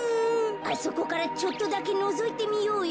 あそこからちょっとだけのぞいてみようよ。